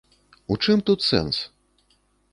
У чым тут сэнс?